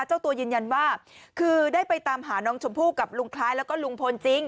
เจ้าตัวยืนยันว่าคือได้ไปตามหาน้องชมพู่กับลุงคล้ายแล้วก็ลุงพลจริง